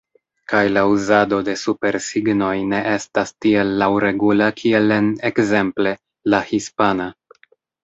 Kaj la uzado de supersignoj ne estas tiel laŭregula kiel en, ekzemple, la hispana.